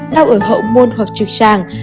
đau ở hậu môn hoặc trực tràng